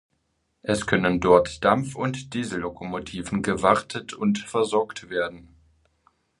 Es können dort Dampf- und Diesellokomotiven gewartet und versorgt werden.